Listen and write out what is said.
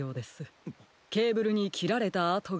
ケーブルにきられたあとがありました。